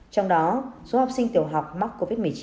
trong đó số học sinh tiểu học mắc covid một mươi chín